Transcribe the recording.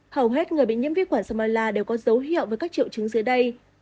hầu hết người bị nhiễm vi khuẩn salmonella đều có dấu hiệu với các triệu chứng dưới đây